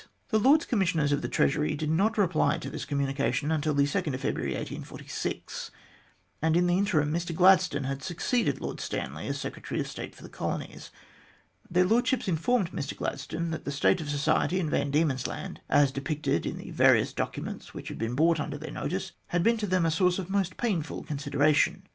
The Lords Commissioners of the Treasury did not reply to this communication until February 2, 1846, and in the interim Mr Gladstone had succeeded Lord Stanley as Secretary of State for the Colonies. Their Lordships informed Mr Gladstone that the state of society in Van Diemen's Land, as depicted in the various documents which had been brought under their notice, had been to them a source of the most painful consideration.